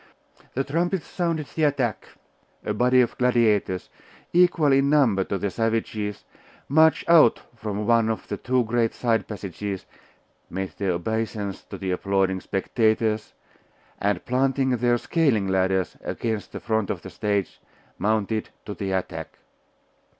The trumpets sounded the attack: a body of gladiators, equal in number to the savages, marched out from one of the two great side passages, made their obeisance to the applauding spectators, and planting their scaling ladders against the front of the stage, mounted to the attack.